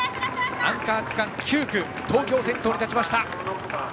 アンカー区間９区東京が先頭に立ちました。